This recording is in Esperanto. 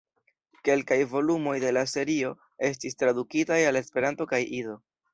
Kelkaj volumoj de la serio estis tradukitaj al Esperanto kaj Ido.